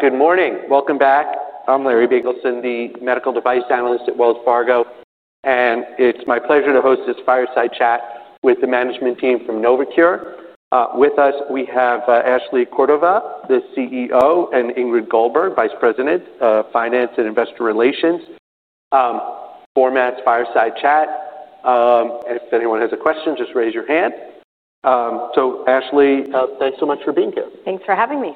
Good morning. Welcome back. I'm Larry Biegelsen, the Medical Device Analyst at Wells Fargo. And it's my pleasure to host this fireside chat with the management team from Novocure. With us, we have Ashley Cordova, the CEO and Ingrid Goldberg, Vice President of Finance and Investor Relations format fireside chat. And if anyone has a question, just raise your hand. So Ashley, thanks so much for being here. Thanks for having me.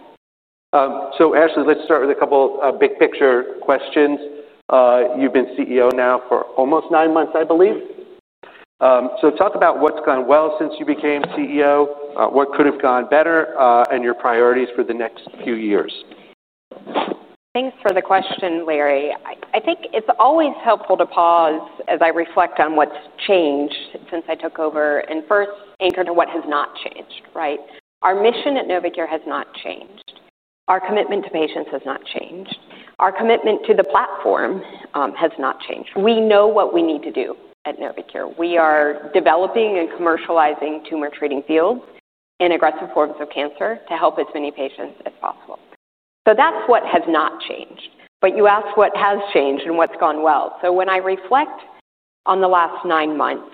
So Ashley, let's start with a couple of big picture questions. You've been CEO now for almost nine months, I believe. So talk about what's gone well since you became CEO, what could have gone better and your priorities for the next few years? Thanks for the question, Larry. I think it's always helpful to pause as I reflect on what's changed since I took over and first anchor to what has not changed, right? Our mission at Novigure has not changed. Our commitment to patients has not changed. Our commitment to the platform has not changed. We know what we need to do at Novocure. We are developing and commercializing tumor treating fields in aggressive forms of cancer to help as many patients as possible. So that's what has not changed. But you asked what has changed and what's gone well. So when I reflect on the last nine months,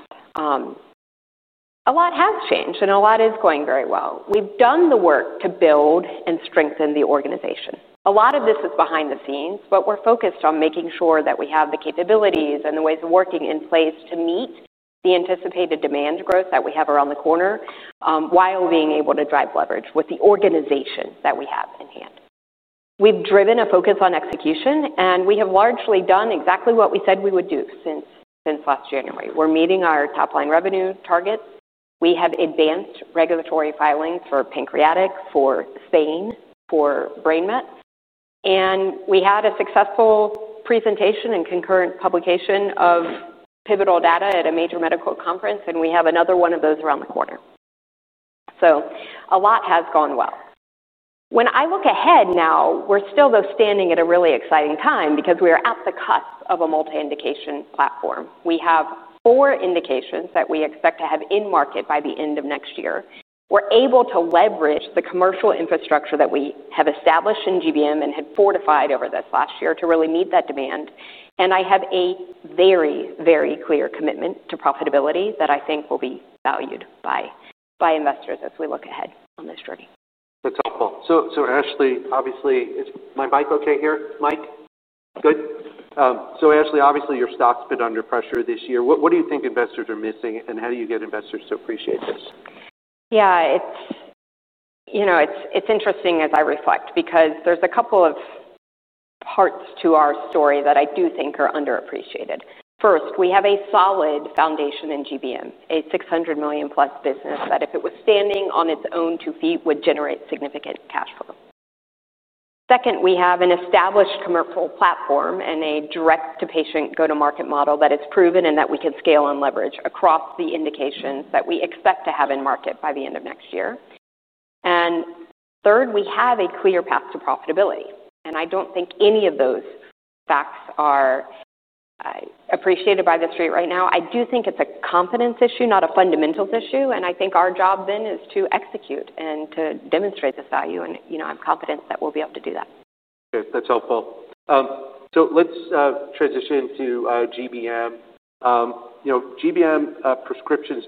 a lot has changed and a lot is going very well. We've done the work to build and strengthen the organization. A lot of this is behind the scenes, but we're focused on making sure that we have the capabilities and the ways of working in place to meet the anticipated demand growth that we have around the corner while being able to drive leverage with the organization that we have in hand. We've driven a focus on execution, and we have largely done exactly what we said we would do since last January. We're meeting our top line revenue targets. We have advanced regulatory filings for pancreatic, for SPAIN, for Brain MET. And we had a successful presentation and concurrent publication of pivotal data at a major medical conference, and we have another one of those around the corner. So a lot has gone well. When I look ahead now, we're still though standing at a really exciting time because we are at the cusp of a multi indication platform. We have four indications that we expect to have in market by the end of next year. We're able to leverage the commercial infrastructure that we have established in GBM and had fortified over this last year to really meet that demand. And I have a very, very clear commitment to profitability that I think will be valued investors as we look ahead on this journey. That's helpful. So Ashley, obviously, is my mic okay here, Mike? Good. So Ashley, obviously, stock's been under pressure this year. What do you think investors are missing? And how do you get investors to appreciate this? Yes. It's interesting as I reflect because there's a couple of parts to our story that I do think are underappreciated. First, we have a solid foundation in GBM, a $600,000,000 plus business that if it was standing on its own two feet would generate significant cash flow. Second, we have an established commercial platform and a direct to patient go to market model that is proven and that we can scale and leverage across the indications that we expect to have in market by the end of next year. And third, we have a clear path to profitability. And I don't think any of those facts are appreciated by the Street right now. I do think it's a confidence issue, not a fundamentals issue. And I think our job then is to execute and to demonstrate this value and I'm confident that we'll be able to do that. Okay, that's helpful. So let's transition to GBM. GBM prescriptions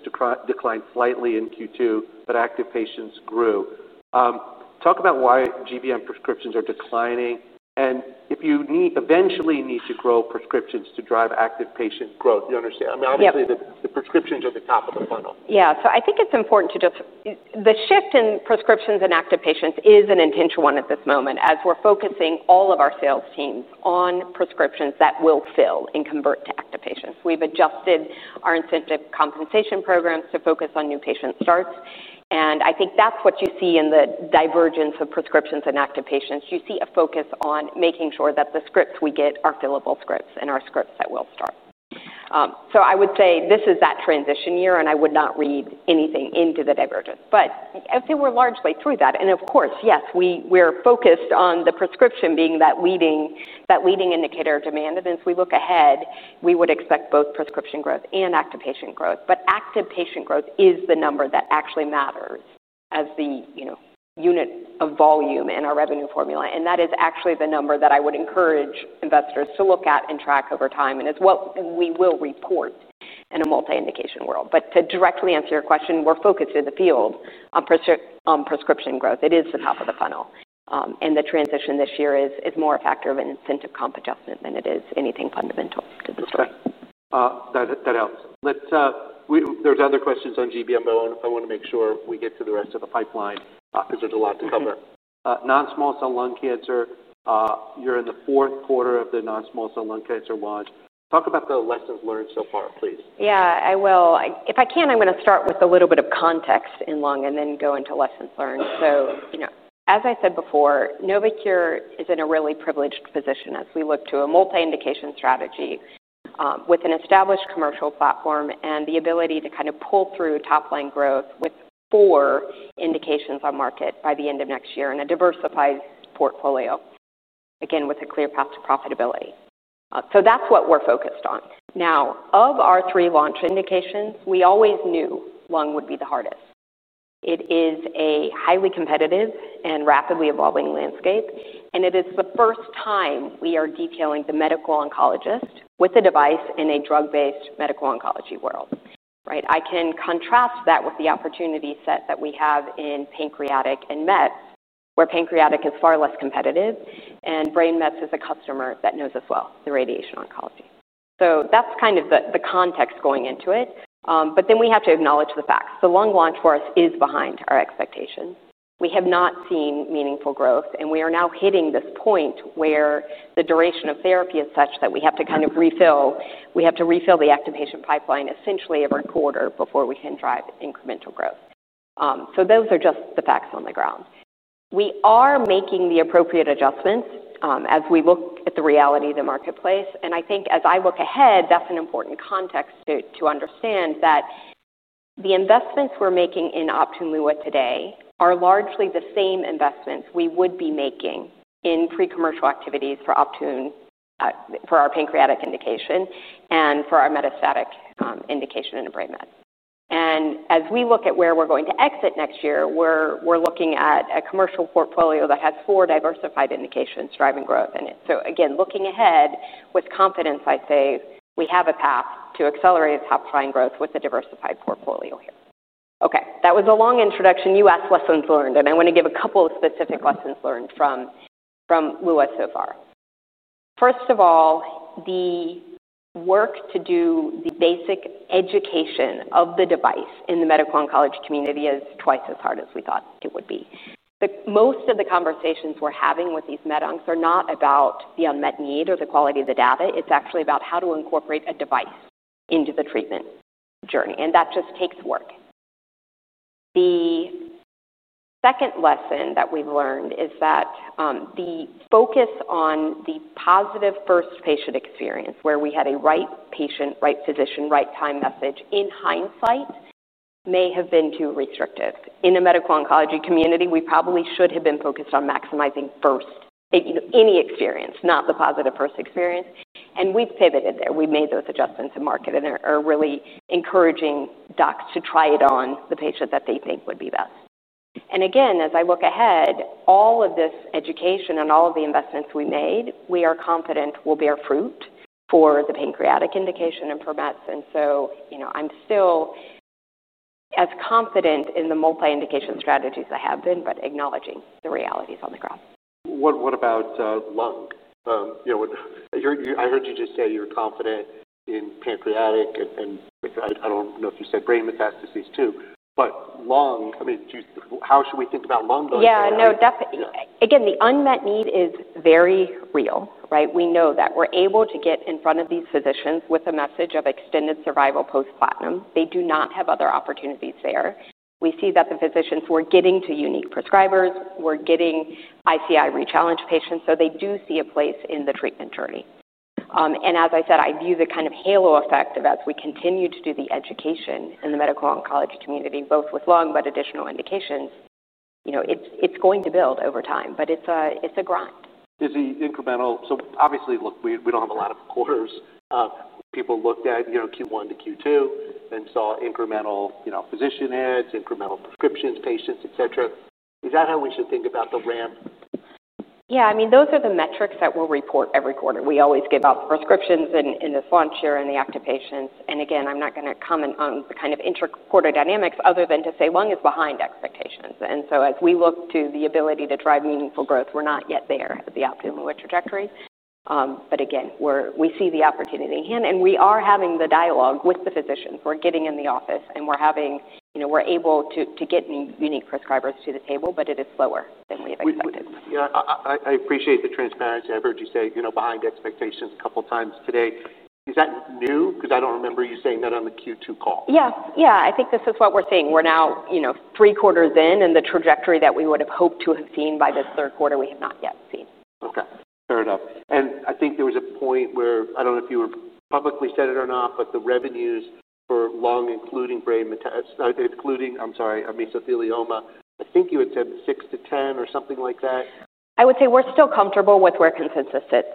declined slightly in Q2, but active patients grew. Talk about why GBM prescriptions are declining? And if you need eventually need to grow prescriptions to drive active patient growth, do understand? Mean, obviously, the prescriptions are at the top of the funnel. Yes. So I think it's important to just the shift in prescriptions and active patients is an intentional one at this moment as we're focusing all of our sales team on prescriptions that will fill and convert to active patients. We've adjusted our incentive compensation programs to focus on new patient starts. And I think that's what you see in the divergence of prescriptions and active patients. You see a focus on making sure that the scripts we get are fillable scripts and our scripts that will start. So I would say this is that transition year, and I would not read anything into the divergence. But I'd say we're largely through that. And of course, yes, we are focused on the prescription being that leading indicator of demand. And as we look ahead, we would expect both prescription growth and active patient growth. But active patient growth is the number that actually matters as the unit of volume in our revenue formula. And that is actually the number that I would encourage investors to look at and track over time and as well and we will report in a multi indication world. But to directly answer your question, we're focused in the field on prescription growth. It is the top of the funnel. And the transition this year is more a factor of an incentive comp adjustment than it is anything fundamental to the story. That helps. Let's there's other questions on GBM, though, I want to make sure we get to the rest of the pipeline, because there's a lot to cover. Non small cell lung cancer, you're in the fourth quarter of the non small cell lung cancer launch. Talk about the lessons learned so far, please. Yes, I will. If I can, I'm going to start with a little bit of context in lung and then go into lessons learned. So as I said before, Novocure is in a really privileged position as we look to a multi indication strategy with an established commercial platform and the ability to kind of pull through top line growth with four indications on market by the end of next year in a diversified portfolio, again, with a clear path to profitability. So that's what we're focused on. Now of our three launch indications, we always knew lung would be the hardest. It is a highly competitive and rapidly evolving landscape, and it is the first time we are detailing the medical oncologist with a device in a drug based medical oncology world, right? I can contrast that with the opportunity set that we have in pancreatic and mets, where pancreatic is far less competitive and Brain Mets is a customer that knows as well the radiation oncology. So that's kind of the context going into it. But then we have to acknowledge the fact. The lung launch for us is behind our expectations. We have not seen meaningful growth, and we are now hitting this point where the duration of therapy is such that we have to kind of refill. We have to refill the active patient pipeline essentially every quarter before we can drive incremental growth. So those are just the facts on the ground. We are making the appropriate adjustments as we look at the reality of the marketplace. And I think as I look ahead, that's an important context to understand that the investments we're making in OptuneLua today are largely the same investments we would be making in pre commercial activities for Optune for our pancreatic metastatic indication in ImpreMed. And as we look at where we're going to exit next year, we're looking at a commercial portfolio that has four diversified indications driving growth in it. So again, looking ahead, with confidence, I'd say, we have a path to accelerate top line growth with a diversified portfolio here. Okay. That was a long introduction, U. S. Lessons learned. And I want to give a couple of specific lessons learned from Lua so far. First of all, the work to do the basic education of the device in the medical oncology community is twice as hard as we thought it would be. Most of the conversations we're having with these med oncs are not about the unmet need or the quality of the data. It's actually about how to incorporate a device into the treatment journey, and that just takes work. The second lesson that we've learned is that the focus on the positive first patient experience, where we had a right patient, right physician, right time message in hindsight may have been too restrictive. In the medical oncology community, we probably should have been focused on maximizing first any experience, not the positive first experience. And we've pivoted there. We've made those adjustments to market and are really encouraging docs to try it on the patient that they think would be best. And again, as I look ahead, all of this education and all of the investments we made, we are confident will bear fruit for the pancreatic indication and for METs. And so I'm still as confident in the multi indication strategies I have been, but acknowledging the realities on the graph. What about lung? I heard you just say you're confident in pancreatic and I don't know if you said brain metastases too. But lung, I mean, how should we think about lung going forward? Yes. No, definitely. The unmet need is very real, right? We know that we're able to get in front of these physicians with a message of extended survival post platinum. They do not have other opportunities there. We see that the physicians were getting to unique prescribers, were getting ICI rechallenged patients, so they do see a place in the treatment journey. And as I said, I view the kind of halo effect of as we continue to do the education in the medical oncology community, both with lung but additional indications, it's going to build over time, but it's a grind. Is the incremental so obviously, look, we don't have a lot of quarters. People looked at Q1 to Q2 and saw incremental physician adds, incremental prescriptions, patients, etcetera. Is that how we should think about the ramp? Yes. Mean, those are the metrics that we'll report every quarter. We always give out prescriptions in the launch here and the active patients. And again, I'm not going to comment on the kind of intra quarter dynamics other than to say lung is behind expectations. And so as we look to the ability to drive meaningful growth, we're not yet there at the optimal trajectory. But again, we see the opportunity. And we are having the dialogue with the physicians. We're getting in the office and we're having we're able to get unique prescribers to the table, but it is slower than we have expected. Yes. I appreciate the transparency. I've heard you say behind expectations a couple of times today. Is that new? Because I don't remember you saying that on the Q2 call. Yes. Yes. I think this is what we're seeing. We're now three quarters in and the trajectory that we would have hoped to have seen by the third quarter we have not yet seen. Okay. Fair enough. And I think there was a point where I don't know if you publicly said it or not, but the revenues for lung including brain including, I'm sorry, mesothelioma, I think you had said six to 10 or something like that? I would say we're still comfortable with where consensus sits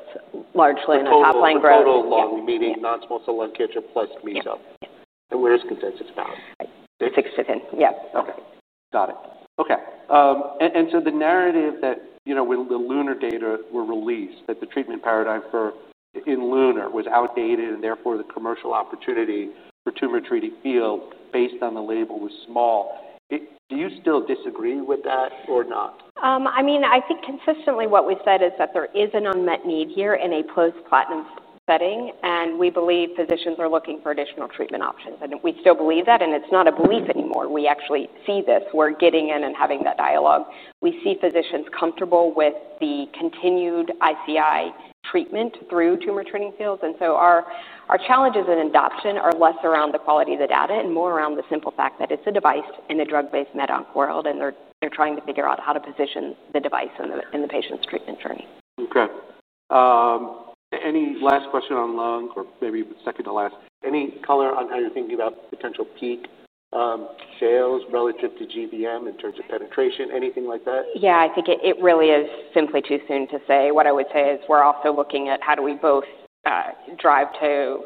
largely on top Total line lung, meaning non small cell lung cancer plus meso. Where is consensus found? Six to 10. Yes. Okay. Got it. Okay. And so the narrative that, you know, when the LUNAR data were released that the treatment paradigm for in LUNAR was outdated and therefore the commercial opportunity for Tumor Treating Fields based on the label was small. Do you still disagree with that or not? I mean, I think consistently what we said is that there is an unmet need here in a post platinum setting and we believe physicians are looking for additional treatment options. And we still believe that, and it's not a belief anymore. We actually see this. We're getting in and having that dialogue. We see physicians comfortable with the continued ICI treatment through Tumor Treating Fields. And so our challenges in adoption are less around the quality of the data and more around the simple fact that it's a device in the drug based med onc world and they're trying to figure out how to position the device in the patient's treatment journey. Okay. Any last question on lung or maybe second to last, any color on how you're thinking about potential peak sales relative to GBM in terms of penetration, anything like that? Yes, I think it really is simply too soon to say. What I would say is we're also looking at how do we both drive to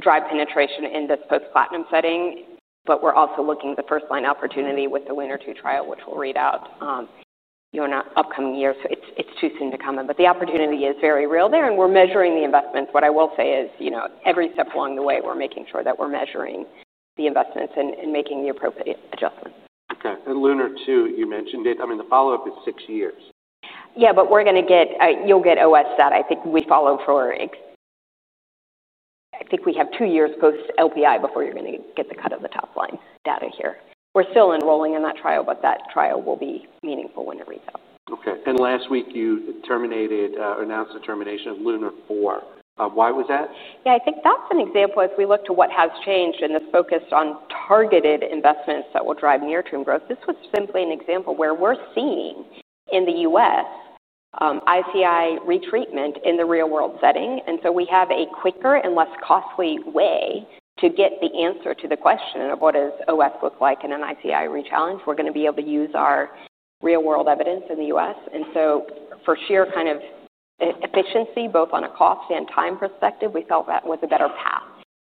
drive penetration in this post platinum setting, but we're also looking at the first line opportunity with the WINNER two trial, which will read out in upcoming years. So it's too soon to come. But the opportunity is very real there and we're measuring the investments. What I will say is every step along the way, we're making sure that we're measuring the investments and making the appropriate adjustments. Okay. And LUNAR too, you mentioned it. I mean, the follow-up is six years. Yes. But we're going to get you'll get OS that I think we follow for I think we have two years post LPI before you're going get the cut of the top line data here. We're still enrolling in that trial, but that trial will be meaningful when it reads out. Okay. And last week, you terminated announced the termination of LUNAR-four. Why was that? Yes, think that's an example as we look to what has changed and the focus on targeted investments that will drive near term growth. This was simply an example where we're seeing in the U. S. ICI retreatment in the real world setting. And so we have a quicker and less costly way to get the answer to the question of what does OS look like in an ICI rechallenge. We're going to be able to use our real world evidence in The U. S. And so for sheer kind of efficiency, both on a cost and time perspective, we felt that was a better path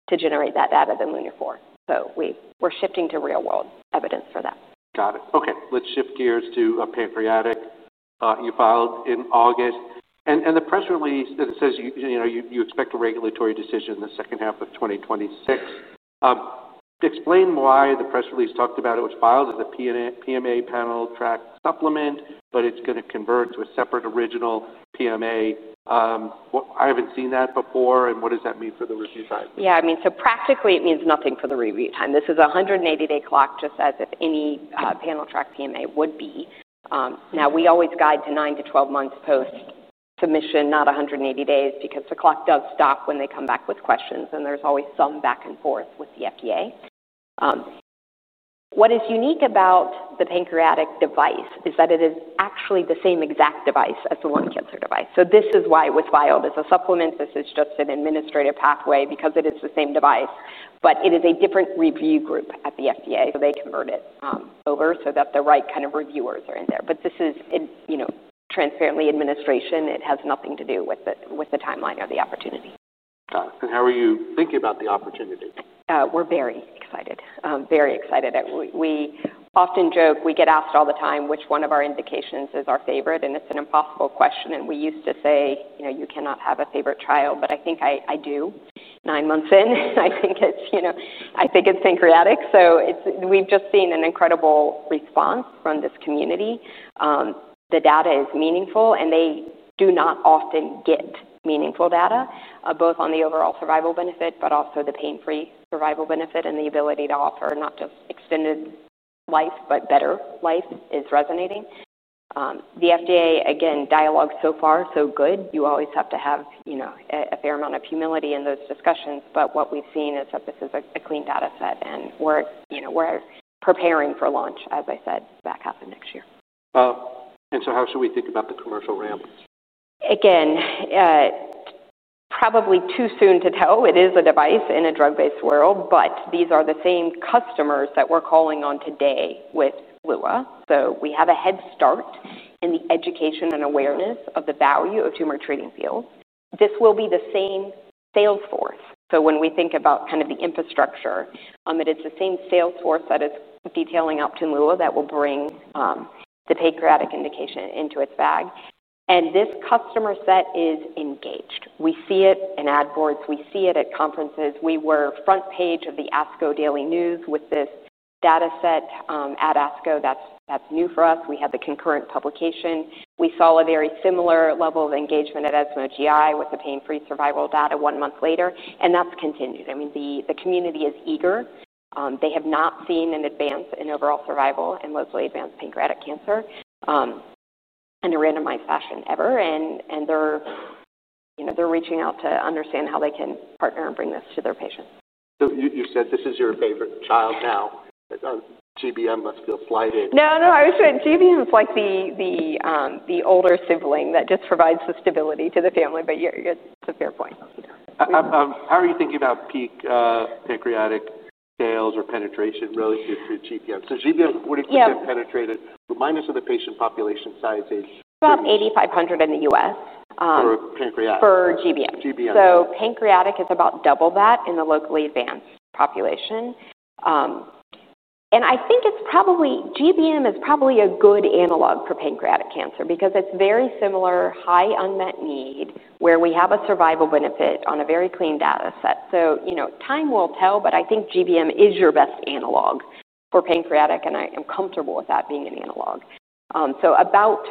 to generate that data than LUNAR-four. So we're shifting to real world evidence for that. Got it. Okay. Let's shift gears to pancreatic, you filed in August. And the press release that says you expect a regulatory decision in the 2026. Explain why the press release talked about it was filed as a PMA panel track supplement, but it's going to convert to a separate original PMA. I haven't seen that before and what does that mean for Yes. I mean, so practically, it means nothing for the review time. This is one hundred and eighty day clock just as if any Panel Track PMA would be. Now we always guide to nine to twelve months post submission, not one hundred and eighty days because the clock does stop when they come back with questions, and there's always some back and forth with the FDA. What is unique about the pancreatic device is that it is actually the same exact device as the lung cancer device. So this is why it was filed as a supplement. This is just an administrative pathway because it is the same device. But it is a different review group at the FDA. So they convert it over so that the right kind of reviewers are in there. But this is transparently administration. It has nothing to do with the timeline or the opportunity. Got it. And how are you thinking about the opportunity? We're very excited. I'm very excited. We often joke, we get asked all the time, which one of our indications is our favorite, and it's an impossible question. And we used to say, you cannot have a favorite trial, but I think I do. Nine months in, I think it's pancreatic. So it's we've just seen an incredible response from this community. The data is meaningful, and they do not often get meaningful data, both on the overall survival benefit but also the pain free survival benefit and the ability to offer not just extended life but better life is resonating. The FDA, dialogue so far so good. You always have to have a fair amount of humility in those discussions. But what we've seen is that this is a clean data set and we're preparing for launch, as I said, back half of next year. And so how should we think about the commercial ramp? Again, probably too soon to tell. It is a device in a drug based world, but these are the same customers that we're calling on today So we have a head start in the education and awareness of the value of Tumor Treating Fields. This will be the same sales force. So when we think about kind of the infrastructure, it is the same sales force that is detailing Optimala that will bring the pancreatic indication into its bag. And this customer set is engaged. We see it in ad boards. We see it at conferences. We were front page of the ASCO Daily News with this data set at ASCO that's new for us. We have the concurrent publication. We saw a very similar level of engagement at ESMO GI with the pain free survival data one month later, and that's continued. I mean, the community is eager. They have not seen an advance in overall survival in mostly advanced pancreatic cancer in a randomized fashion ever. And they're reaching out to understand how they can partner and bring this to their patients. So you said this is your favorite child now. GBM must feel slighted. No, no. I was saying GBM is like the older sibling that just provides the stability to the family, but it's a fair point. How are you thinking about peak pancreatic sales or penetration relative to GBM? So GBM, what if you get penetrated, remind us of the patient population size age? About eight thousand five hundred in The U. S. For pancreatic? For GBM. So pancreatic is about double that in the locally advanced population. And I think it's probably GBM is probably a good analog for pancreatic cancer because it's very similar high unmet need where we have a survival benefit on a very clean data set. So time will tell, but I think GBM is your best analog for pancreatic and I am comfortable with that being an analog. So about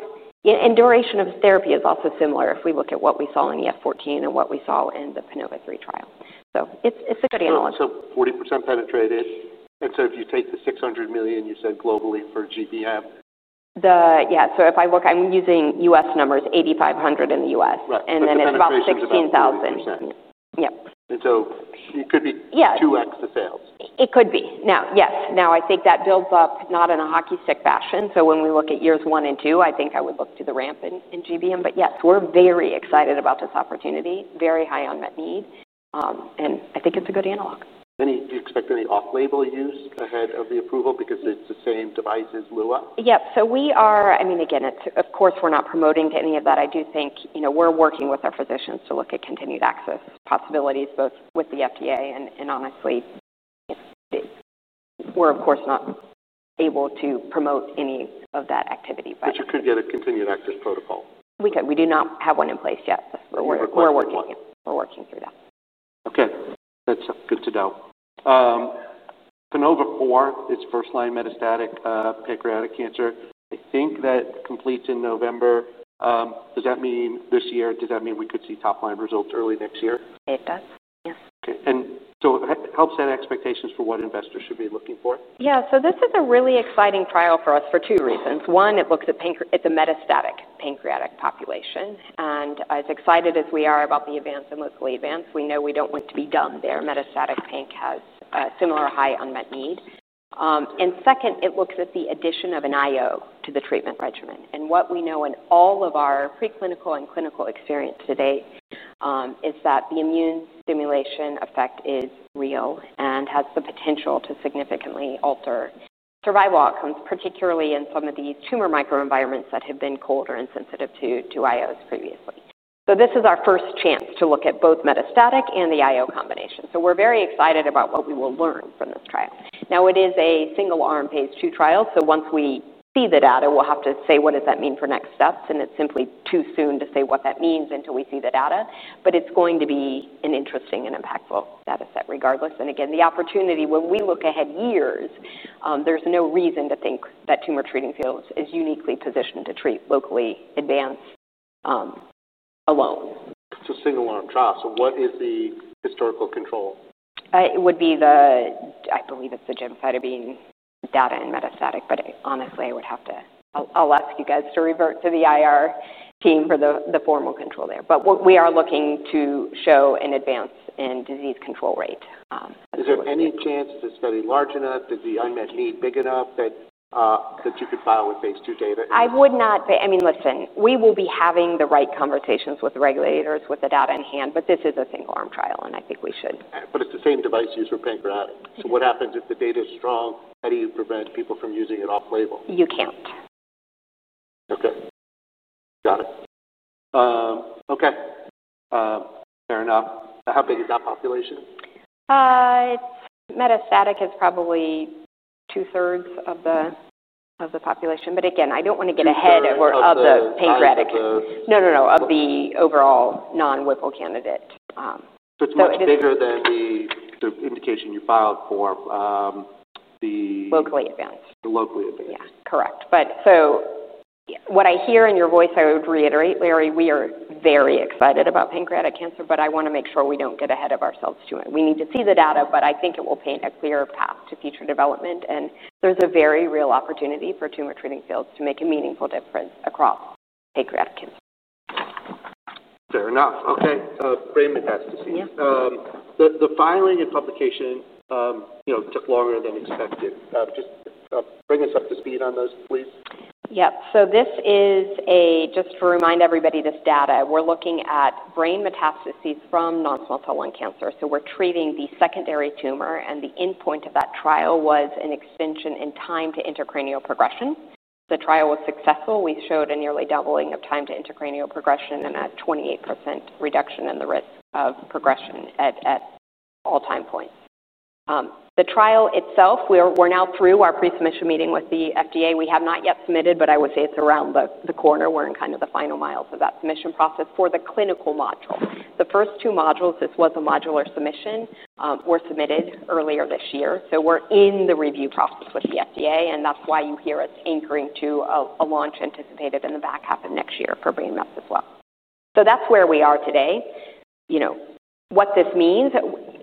and duration of therapy is also similar if we look at what we saw in the F-fourteen and what we saw in the PONOVA3 trial. So it's a good analog. So forty percent penetrated. And so if you take the $600,000,000 you said globally for GBM? Yes. So if I look I'm using U. S. Numbers, dollars 8,500 in The U. S. And then it's about $16,000 And so it could be It 2x the could be. Now, yes. Now I think that builds up not in a hockey stick fashion. So when we look at years one and two, I think I would look to the ramp in GBM. But yes, we're very excited about this opportunity, very high unmet need. And I think it's a good analog. Do you expect any off label use ahead of the approval because it's the same Yes. So we are I mean, again, it's of course, we're not promoting to any of that. I do think we're working with our physicians to look at continued access possibilities both with the FDA and honestly, we're of course not able to promote any of that activity. But you could get a continued active protocol. We do not have one in place yet. We're working through that. That's good to know. Canova IV, it's first line metastatic pancreatic cancer. I think that completes in November. Does that mean this year, does that mean we could see top line results early next year? It does. Yes. Okay. And so help set expectations for what investors should be looking for? Yes. So this is a really exciting trial for us for two reasons. One, it looks at it's a metastatic pancreatic population. And as excited as we are about the Avance and locally Avance, we know we don't want to be done there. Metastatic pain has a similar high unmet need. And second, it looks at the addition of an IO to the treatment regimen. And what we know in all of our preclinical and clinical experience today is that the immune stimulation effect is real and has the potential to significantly alter survival outcomes, particularly in some of these tumor microenvironments that have been colder and sensitive to IOs previously. So this is our first chance to look at both metastatic and the IO combination. So we're very excited about what we will learn from this trial. Now it is a single arm Phase II trial. So once we see the data, we'll have to say what does that mean for next steps, and it's simply too soon to say what that means until we see the data. But it's going to be an interesting and impactful data set regardless. And again, the opportunity when we look ahead years, there's no reason to think that Tumor Treating Fields is uniquely positioned to treat locally advanced alone. It's a single arm trial. So what is the historical control? It would be the I believe it's the gemcitabine data and metastatic. But honestly, I would have to I'll ask you guys to revert to the IR team for the formal control there. But what we are looking to show an advance in disease control rate. Is there any chance to study large enough? Does the unmet need big enough that you could file with Phase II data? I would not I mean, listen, we will be having the right conversations with regulators with the data in hand, but this is a single arm trial, and I think we should. But it's the same device used for pancreatic. So what happens if the data is strong? How do you prevent people from using it off label? You can't. Okay, got it. Okay, fair enough. How big is that population? Metastatic is probably two thirds of population. But again, I don't want to get ahead of the pancreatic no, no, no, of the overall non Whipple candidate. So it's much bigger than the indication you filed for the Locally advanced. Locally advanced. Yes, correct. But so what I hear in your voice, I would reiterate, Larry, we are very excited about pancreatic cancer, but I want to make sure we don't get ahead of ourselves to it. We need to see the data, but I think it will paint a clear path to future development. And there's a very real opportunity for Tumor Treating Fields to make a meaningful difference across pancreatic cancer. Fair enough. Okay. Raymond has to see you. The filing and publication took longer than expected. Just bring us up to speed on those, please. Yes. So this is a just to remind everybody this data, we're looking at brain metastases from non small cell lung cancer. So we're treating the secondary tumor and the endpoint of that trial was an extension in time to intracranial progression. The trial was successful. We showed a nearly doubling of time to intracranial progression and a twenty eight percent reduction in the risk of progression at all time points. The trial itself, we're now through our pre submission meeting with the FDA. We have not yet submitted, but I would say it's around the corner. We're in kind of the final miles of that submission process for the clinical module. The first two modules, this was a modular submission, were submitted earlier this year. So we're in the review process with the FDA, and that's why you hear us anchoring to a launch anticipated in the back half of next year for Brain Maps as well. So that's where we are today. What this means,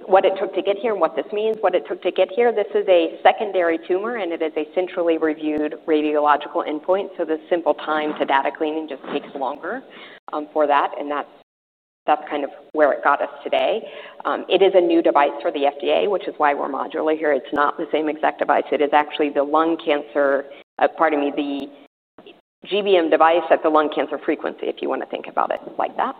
what it took to get here and what this means, what it took to get here, this is a secondary tumor and it is a centrally reviewed radiological endpoint. So the simple time to data cleaning just takes longer for that and that's kind of where it got us today. It is a new device for the FDA, which is why we're modular here. It's not the same exact device. It is actually the lung cancer pardon me, the GBM device at the lung cancer frequency, if you want to think about it like that.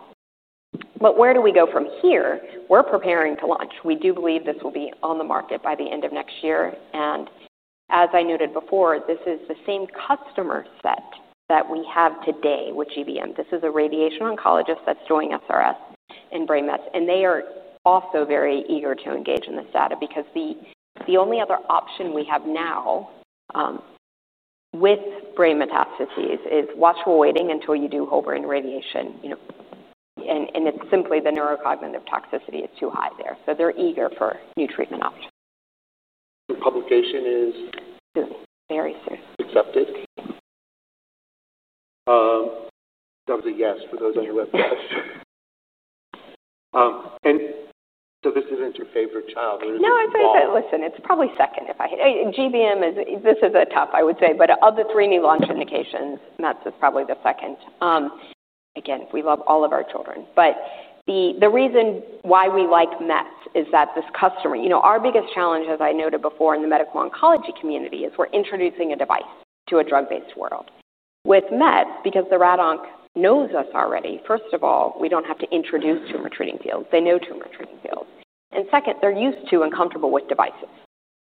But where do we go from here? We're preparing to launch. We do believe this will be on the market by the end of next year. And as I noted before, this is the same customer set that we have today with GBM. This is a radiation oncologist that's joining SRS in brain mass. And they are also very eager to engage in this data because the only other option we have now with brain metastases is watchful waiting until you do ovarian radiation. And it's simply the neurocognitive toxicity is too high there. So they're eager for new treatment options. The publication is Soon, very soon. Accepted? That was a yes for those on your webcast. And so this isn't your favorite child? I'd say listen, it's probably second. Is this is tough, I would say. But of the three new launch indications, that's probably the second. Again, we love all of our children. But the reason why we like mets is that this customer our biggest challenge, as I noted before, in the medical oncology community is we're introducing a device to a drug based world. With MET, because the rad onc knows us already, first of all, we don't have to introduce tumor treating fields. They know tumor treating fields. And second, they're used to and comfortable with devices.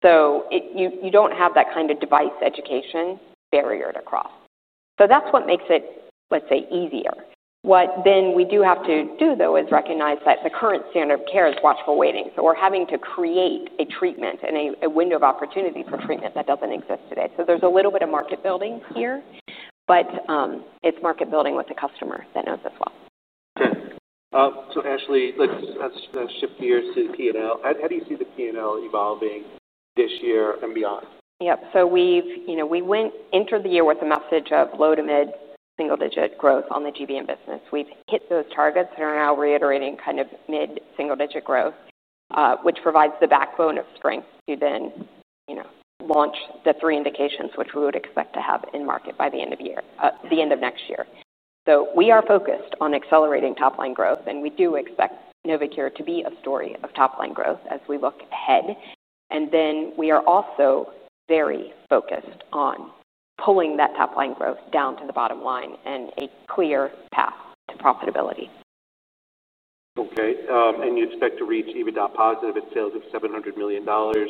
So you don't have that kind of device education barrier to cross. So that's what makes it, let's say, easier. What then we do have to do, though, is recognize that the current standard of care is watchful waiting. So we're having to create a treatment and a window of opportunity for treatment that doesn't exist today. So there's a little bit of market building here, but it's market building with the customer that knows as well. Okay. So Ashley, let's shift gears to the P and L. How do you see the P and L evolving this year and beyond? Yes. So we went into the year with a message of low to mid single digit growth on the GBM business. We've hit those targets and are now reiterating kind of mid single digit growth, which provides the backbone of strength to then launch the three indications, which we would expect to have in market by the end of year the end of next year. So we are focused on accelerating top line growth and we do expect Novocure to be a story of top line growth as we look ahead. And then we are also very focused on pulling that top line growth down to the bottom line and a clear path to profitability. Okay. And you expect to reach EBITDA positive at sales of $700,000,000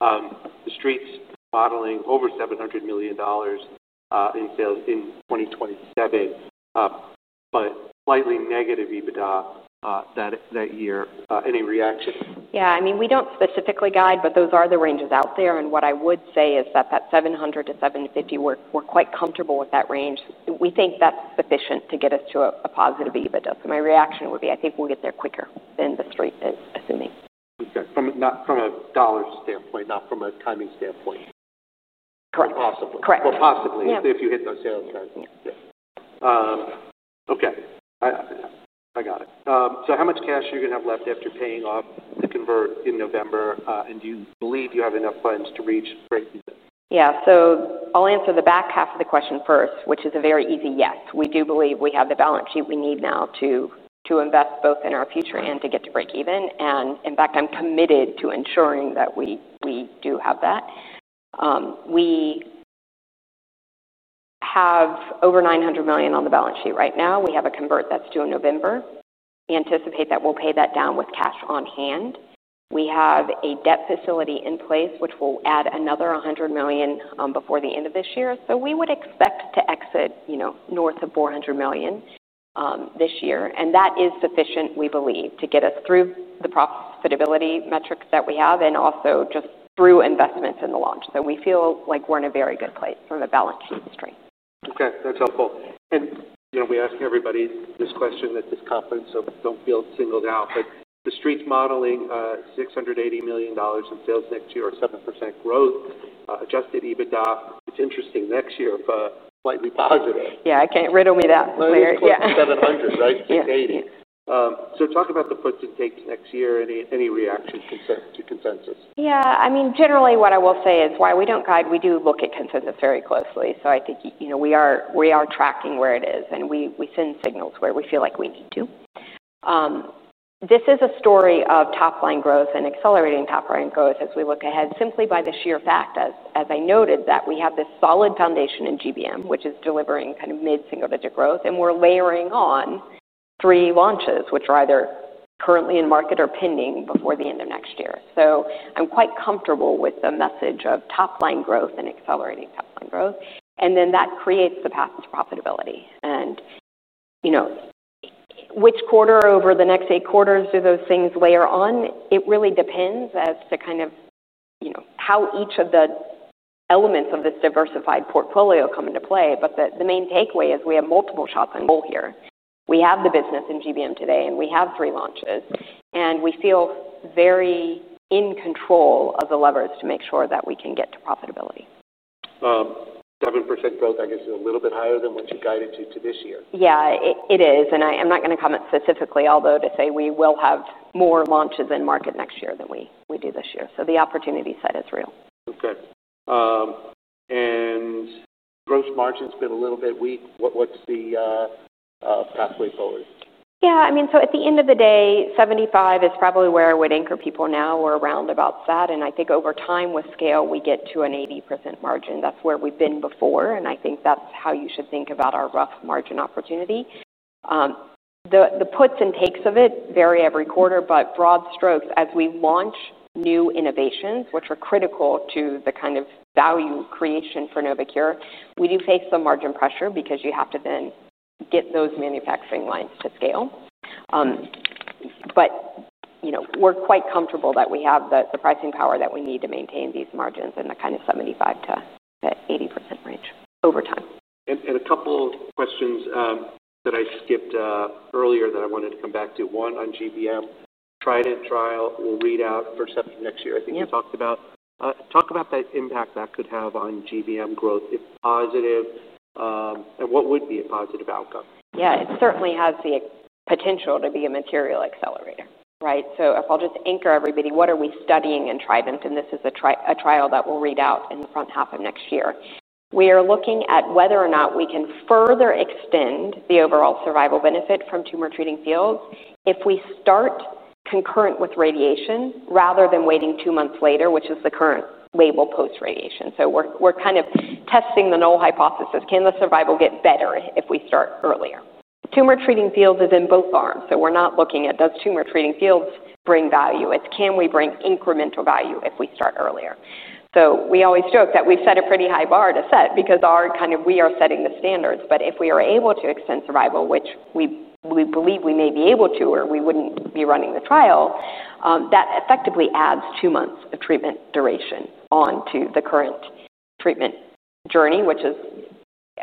The Street's modeling over $700,000,000 in sales in 2027, but slightly negative EBITDA that year, any reaction? Yes, I mean, don't specifically guide, but those are the ranges out there. And what I would say is that that 700,000,000 to $750,000,000 we're quite comfortable with that range. We think that's sufficient to get us to a positive EBITDA. So my reaction would be, think we'll get there quicker than the Street is assuming. Okay. From a dollar standpoint, not from a timing standpoint? Correct. Possibly. Correct. Well, possibly, if you hit those sales trends. Okay, I got it. So how much cash you're going to have left after paying off the convert in November? And do you believe you have enough funds to reach breakeven? Yes. So I'll answer the back half of the question first, which is a very easy yes. We do believe we have the balance sheet we need now to invest both in our future and to get to breakeven. And in fact, I'm committed to ensuring that we do have that. We have over $900,000,000 on the balance sheet right now. We have a convert that's due in November. We anticipate that we'll pay that down with cash on hand. We have a debt facility in place, which will add another 100,000,000 before the end of this year. So we would expect to exit north of $400,000,000 this year. And that is sufficient, we believe, to get us through the profitability metrics that we have and also just through investments in the launch. So we feel like we're in a very good place from a balance sheet strength. Okay, that's helpful. And we ask everybody this question at this conference, so don't feel singled out. The Street's modeling $680,000,000 in sales next year or 7% growth adjusted EBITDA, it's interesting next year, but slightly positive. Yes, I can't riddle me that. Yes. 100, right? Yes. Talk about the puts and takes next year, any reaction to consensus? Yes. I mean, generally, what I will say is, while we don't guide, we do look at consensus very closely. So I think we are tracking where it is, and we send signals where we feel like we need to. This is a story of top line growth and accelerating top line growth as we look ahead simply by the sheer fact, As I noted that we have this solid foundation in GBM, which is delivering kind of mid single digit growth. And we're layering on three launches, which are either currently in market or pending before the end of next year. So I'm quite comfortable with the message of top line growth and accelerating top line growth. And then that creates the path to profitability. And which quarter over the next eight quarters do those things layer on? It really depends as to kind of how each of the elements of this diversified portfolio come into play. But the main takeaway is we have multiple shots on goal here. We have the business in GBM today and we have three launches. And we feel very in control of the levers to make sure that we can get to profitability. 7% growth, I guess, is a little bit higher than what you guided to this year. Yes, it is. And I'm not going to comment specifically, although to say we will have more launches in market next year than we do this year. So the opportunity set is real. Okay. And gross margin has been a little bit weak. What's the pathway forward? Yeah, I mean, so at the end of the day, 5% is probably where I would anchor people now or around about that. And I think over time with scale, we get to an 80% margin. That's where we've been before. And I think that's how you should think about our rough margin opportunity. The puts and takes of it vary every quarter, but broad strokes, as we launch new innovations, which are critical to the kind of value creation for Novocure, we do face some margin pressure because you have to then get those manufacturing lines to scale. But we're quite comfortable that we have the pricing power that we need to maintain these margins in the kind of 75% to 80% range over time. And a couple of questions that I skipped earlier that I wanted to come back to one on GBM, TRIDENT trial will read out first half of next year, think you talked about. Talk about the impact that could have on GBM growth, if positive and what would be a positive outcome? Yes. It certainly has the potential to be a material accelerator, right? So I'll just anchor everybody, what are we studying in TRIDENT, and this is a trial that we'll read out in the front half of next year. We are looking at whether or not we can further extend the overall survival benefit from Tumor Treating Fields if we start concurrent with radiation rather than waiting two months later, which is the current label post radiation. Radiation. So we're kind of testing the null hypothesis, can the survival get better if we start earlier? Tumor Treating Fields is in both arms. So we're not looking at does Tumor Treating Fields bring value, it's can we bring incremental value if we start earlier. So we always joke that we set a pretty high bar to set because our kind of we are setting the standards. But if we are able to extend survival, which we believe we may be able to or we wouldn't be running the trial, that effectively adds two months of treatment duration on to the current treatment journey, which is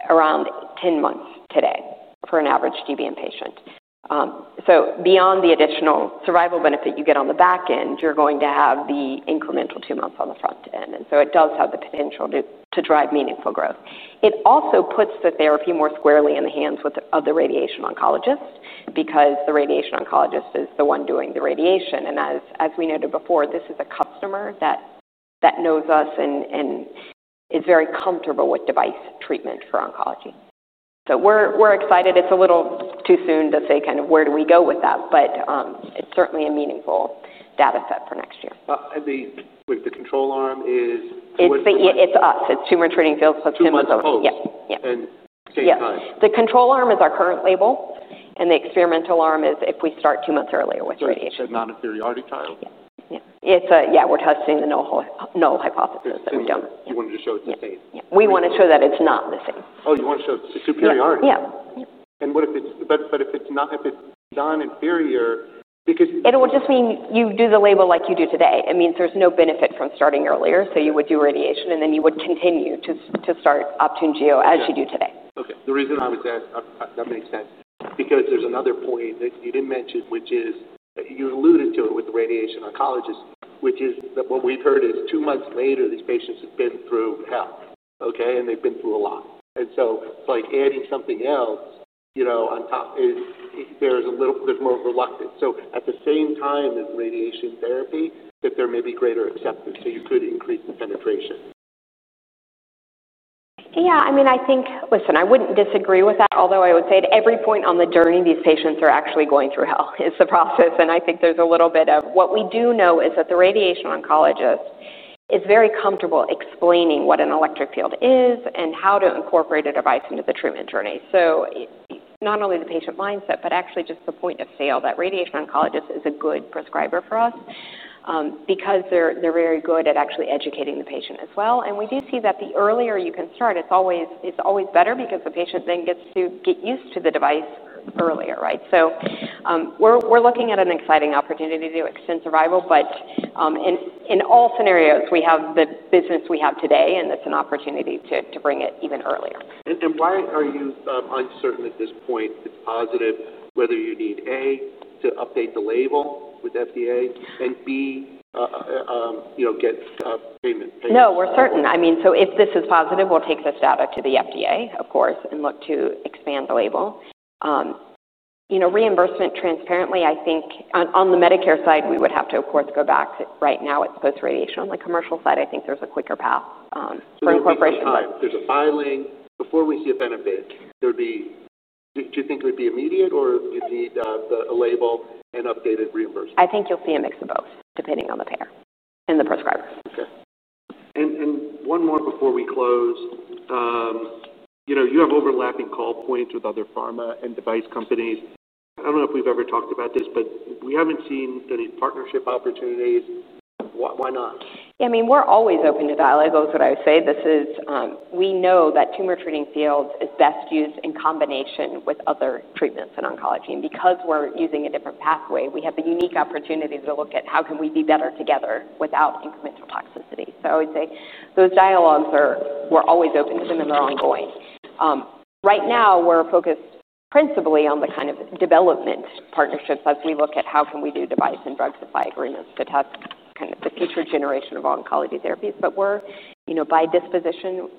around ten months today for an average GBM patient. So beyond the additional survival benefit you get on the back end, you're going to have the incremental two months And so it does have the potential to drive meaningful growth. It also puts the therapy more squarely in the hands of the radiation oncologists because the radiation oncologist is the one doing the radiation. And as we noted before, this is a customer that knows us and is very comfortable with device treatment for oncology. So we're excited. It's a little too soon to say kind of where do we go with that, but it's certainly a meaningful data set for next year. With the control arm is It's tumor treating field, tumor Yes. Control arm is our current label, and the experimental arm is if we start two months earlier with radiation. Non inferiority trial? Yes. Yes, we're testing the null hypothesis You that we want to show it's Yes. The We want to show that it's not missing. Oh, you want to show it's superiority? Yes. What if it's but if it's non inferior because It will just mean you do the label like you do today. It means there's no benefit from starting earlier. So you would do radiation and then you would continue to start Optune Geo as you do today. The reason I would say that makes sense, because there's another point that you didn't mention, which is you alluded to it with radiation oncologist, which is that what we've heard is two months later, these patients have been through hell, okay, and they've been through a lot. And so it's like adding something else on top is there's a little bit more reluctant. So at the same time as radiation therapy, if there may be greater acceptance, you could increase the penetration. Yes. I mean, I think, listen, I wouldn't disagree with that. Although I would say at every point on the journey these patients are actually going through hell is the process. And I think there's a little bit of what we do know is that the radiation oncologist is very comfortable explaining what an electric field is and how to incorporate a device into the So not only the patient mindset, but actually just the point of sale that radiation oncologist is a good prescriber for us because they're very good at actually educating the patient as well. And we do see that the earlier you can start, it's always better because the patient then gets to get used to the device earlier, right? So we're looking at an exciting opportunity to extend survival. But in all scenarios, have the business we have today, and it's an opportunity to bring it even earlier. And why are you uncertain at this point, it's positive whether you need A, to update the label with FDA and B, get payment? No, we're certain. I mean, so if this is positive, we'll take this data to the FDA, of course, and look to expand the label. Reimbursement transparently, think on the Medicare side, we would have to, of course, go back right now with post radiation. On the commercial side, I think there's a quicker path There's for a filing before we see a benefit, there'd be do you think it would be immediate or it would a label and updated reimbursement? I think you'll see a mix of both depending on the payer and the prescriber. Okay. And one more before we close. You have overlapping call points with other pharma and device companies. I don't know if we've ever talked about this, but we haven't seen any partnership opportunities. Why not? Yes. Mean, we're always open to dialogue. That's what I would say. This is we know that Tumor Treating Fields is best used in combination with other treatments in oncology. And because we're using a different pathway, we have the unique opportunity to look at how can we be better together without incremental toxicity. So I would say those dialogues are we're always open to them and they're ongoing. Right now, we're focused principally on the kind of development partnerships as we look at how can we do device and drug supply agreements that have kind of the future generation of oncology therapies. But we're, by disposition,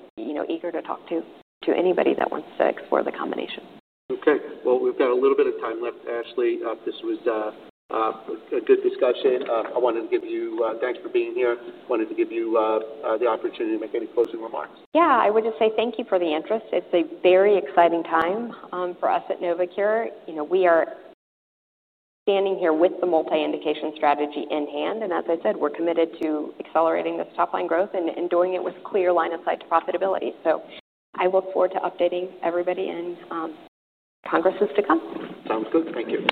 eager to talk to anybody that wants to explore the combination. Okay. Well, we've got a little bit of time left, Ashley. This was a good discussion. I wanted to give you thanks for being here. I wanted to give you the opportunity to make any closing remarks. Yes, I would just say thank you for the interest. It's a very exciting time for us at Novocure. We are standing here with the multi indication strategy in hand. And as I said, we're committed to accelerating this top line growth and doing it with clear line of sight to profitability. So I look forward to updating everybody in congresses to come. Sounds good. Thank you.